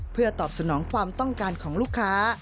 เพื่อตอบสนองความต้องการของลูกค้า